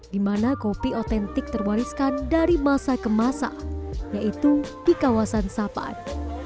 di mana kopi otentik terwariskan dari masa ke masa yaitu di kawasan sapan